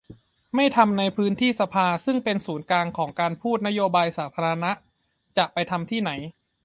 ไม่ทำในพื้นที่สภาซึ่งเป็นศูนย์กลางของการพูดคุยนโยบายสาธารณะ จะไปทำที่ไหน